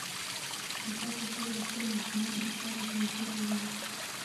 زده کړه ښځه د خپلو ماشومانو لپاره بودیجه جوړوي.